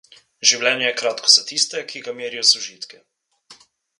Življenje je kratko za tiste, ki ga merijo z užitki.